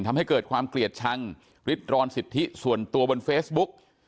ทำให้เกิดความเกลียดชังริดรอนสิทธิส่วนตัวบนเฟซบุ๊ก